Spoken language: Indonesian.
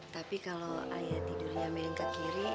tapi kalau ayah tidurnya miring ke kiri